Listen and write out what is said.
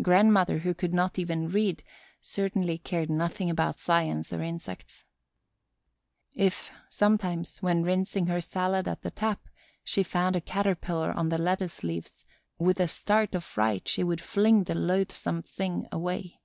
Grandmother, who could not even read, certainly cared nothing about science or insects. If, sometimes, when rinsing her salad at the tap, she found a Caterpillar on the lettuce leaves, with a start of fright she would fling the loathsome thing away.